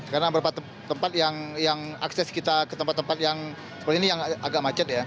karena beberapa tempat yang akses kita ke tempat tempat yang seperti ini yang agak macet ya